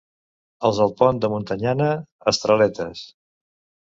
Els del Pont de Montanyana, estraletes.